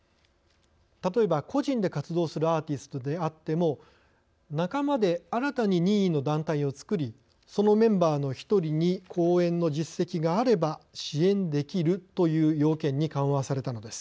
例えば個人で活動するアーティストであっても仲間で新たに任意の団体を作りそのメンバーの１人に公演の実績があれば支援できるという要件に緩和されたのです。